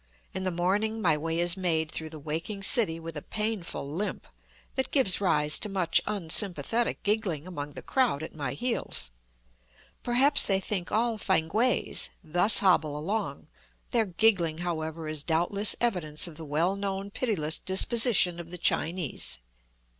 In the morning my way is made through the waking city with a painful limp, that gives rise to much unsympathetic giggling among the crowd at my heels. Perhaps they think all Pankwaes thus hobble along; their giggling, however, is doubtless evidence of the well known pitiless disposition of the Chinese.